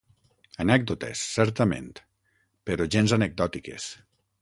Anècdotes, certament, però gens anecdòtiques.